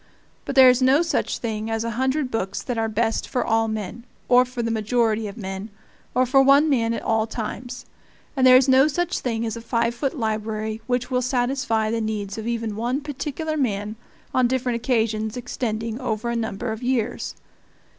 But there is no such thing as a hundred books that are best for all men, or for the majority of men, or for one man at all times; and there is no such thing as a five foot library which will satisfy the needs of even one particular man on different occasions extending over a number of years.